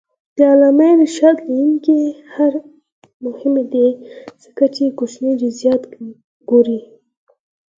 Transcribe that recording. د علامه رشاد لیکنی هنر مهم دی ځکه چې کوچني جزئیات ګوري.